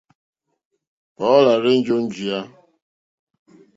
Paul à rzênjé ó njìyá.